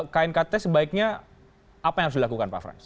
knkt sebaiknya apa yang harus dilakukan pak frans